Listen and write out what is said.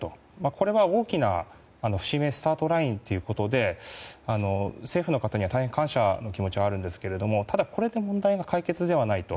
これは、大きな節目スタートラインということで政府の方に大変感謝の気持ちはあるんですがただ、これで問題が解決ではないと。